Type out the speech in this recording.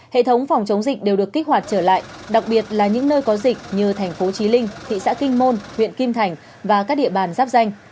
hệ thống phòng chống dịch đều được kích hoạt trở lại đặc biệt là những nơi có dịch như thành phố trí linh thị xã kinh môn huyện kim thành và các địa bàn giáp danh